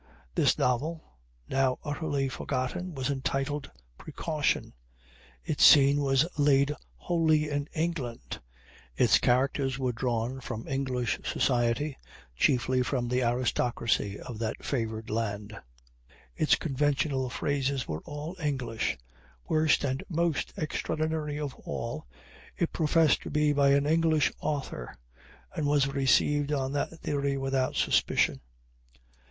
This novel, now utterly forgotten, was entitled Precaution. Its scene was laid wholly in England; its characters were drawn from English society, chiefly from the aristocracy of that favored land; its conventional phrases were all English; worst and most extraordinary of all, it professed to be by an English author, and was received on that theory without suspicion.